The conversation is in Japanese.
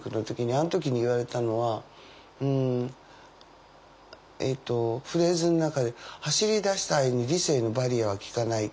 あの時に言われたのはうんえとフレーズの中で「走りだした愛に理性のバリアは効かない」って。